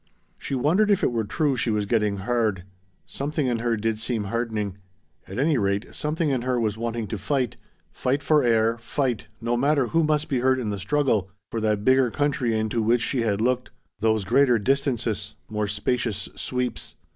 She wondered if it were true she was getting hard. Something in her did seem hardening. At any rate, something in her was wanting to fight, fight for air, fight, no matter who must be hurt in the struggle, for that bigger country into which she had looked, those greater distances, more spacious sweeps.